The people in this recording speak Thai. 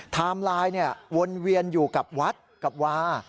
ไลน์วนเวียนอยู่กับวัดกับวา